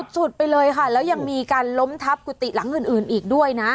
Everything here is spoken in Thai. สุดไปเลยค่ะแล้วยังมีการล้มทับกุฏิหลังอื่นอีกด้วยนะ